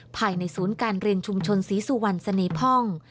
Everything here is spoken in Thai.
ภายในศูนย์การเรียนชุมชนศรีสุวรรณเสน่ห้อง